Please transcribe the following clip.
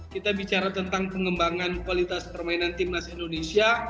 kita bicara tentang pengembangan kualitas permainan tim nasional indonesia